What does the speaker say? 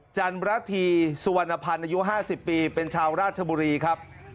จันระธีสุวรรณภัณฑ์อายุ๕๐ปีเป็นชาวราชบุรีครับ